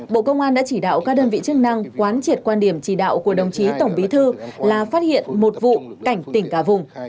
bộ công an đã chỉ đạo các đơn vị chức năng quán triệt quan điểm chỉ đạo của đồng chí tổng bí thư là phát hiện một vụ cảnh tỉnh cả vùng